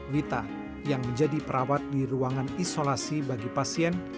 wita yang menjadi perawat di ruangan isolasi bagi pasien